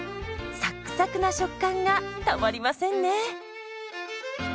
サックサクな食感がたまりませんね。